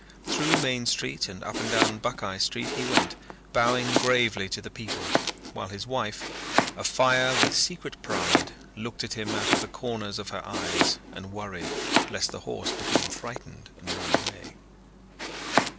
Through Main Street and up and down Buckeye Street he went, bowing gravely to the people, while his wife, afire with secret pride, looked at him out of the corners of her eyes and worried lest the horse become frightened and run away.